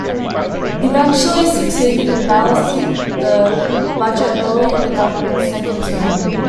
He eventually succeeded in balancing the budget early in the government's second term.